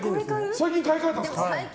最近買い替えたんですか。